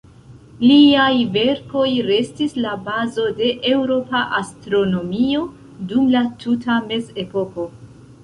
Liaj verkoj restis la bazo de eŭropa astronomio dum la tuta mezepoko.